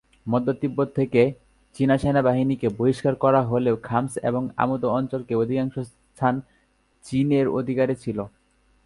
মধ্য তিব্বত থেকে চীনা সেনাবাহিনীকে বহিষ্কার করা হলেও খাম্স ও আমদো অঞ্চলের অধিকাংশ স্থান চীনের অধিকারে ছিল।